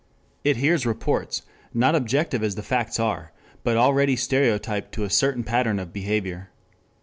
It hears reports, not objective as the facts are, but already stereotyped to a certain pattern of behavior.